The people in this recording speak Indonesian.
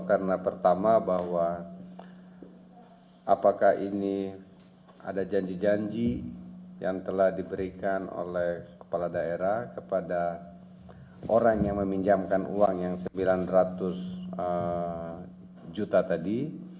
karena pertama bahwa apakah ini ada janji janji yang telah diberikan oleh kepala daerah kepada orang yang meminjamkan uang yang rp sembilan ratus juta tadi